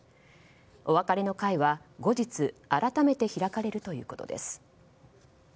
お別れの会は、後日改めて開かれるということです。